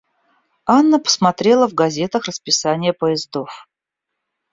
Анна посмотрела в газетах расписание поездов.